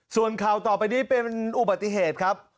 ส่วนข่าวต่อไปนี้เป็นอุบัติเหตุครับ